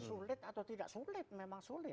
sulit atau tidak sulit memang sulit